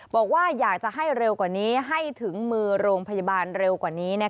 บอกว่าอยากจะให้เร็วกว่านี้ให้ถึงมือโรงพยาบาลเร็วกว่านี้